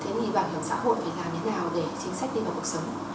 thế thì bảo hiểm xã hội phải làm thế nào để chính sách đi vào cuộc sống